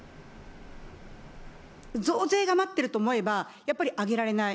増税が待ってると思えば、やっぱり上げられない。